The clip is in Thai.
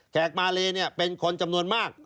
แขกมาเลเนี่ยเป็นคนจำนวนมาก